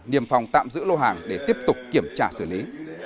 niềm phòng tạm giữ lô hàng để tiếp tục kiểm tra xử lý